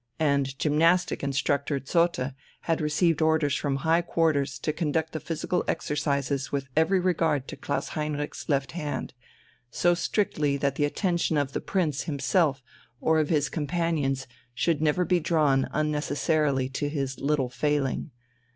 And gymnastic instructor Zotte had received orders from high quarters to conduct the physical exercises with every regard to Klaus Heinrich's left hand so strictly that the attention of the Prince himself or of his companions should never be drawn unnecessarily to his little failing.